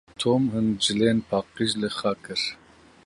Tom hin cilên paqij li xwe kir.